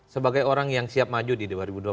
sebagai orang yang siap maju di dua ribu dua puluh